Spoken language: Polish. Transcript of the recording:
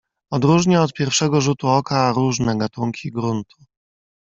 "Odróżnia od pierwszego rzutu oka różne gatunki gruntu."